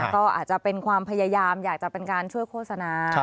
ก็อาจจะเป็นความพยายามอยากจะเป็นการช่วยโฆษณา